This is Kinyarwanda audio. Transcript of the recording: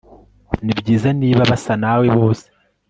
Nibyiza niba basa nawe bose